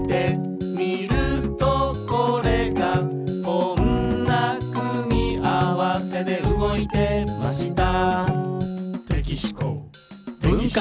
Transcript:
「こんな組み合わせで動いてました」